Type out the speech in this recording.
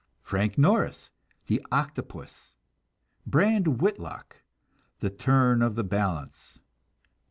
Frank Norris: The Octopus. Brand Whitlock: The Turn of the Balance.